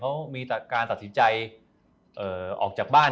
เขามีการตัดสินใจออกจากบ้าน